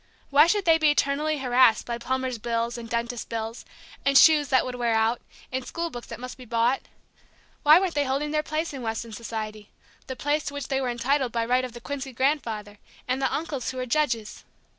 Why should they be eternally harassed by plumbers' bills, and dentists' bills, and shoes that would wear out, and school books that must be bought? Why weren't they holding their place in Weston society, the place to which they were entitled by right of the Quincy grandfather, and the uncles who were judges?